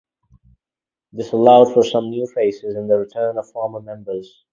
This allowed for some new faces, and the return of former members.